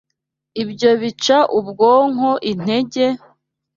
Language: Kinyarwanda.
ibyo bica ubwonko intege,